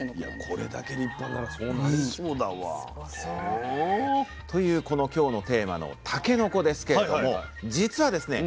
これだけ立派ならそうなりそうだわ。というこの今日のテーマのたけのこですけれども実はですね